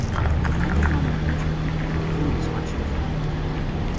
Depending on the region, the food is much different.